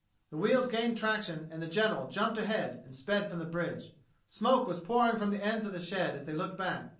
The wheels gained traction and the General jumped ahead and sped from the bridge. Smoke was pouring from the ends of the shed as they looked back.